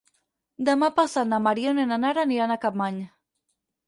Demà passat na Mariona i na Nara aniran a Capmany.